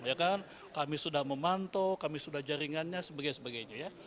ya kan kami sudah memantau kami sudah jaringannya sebagainya ya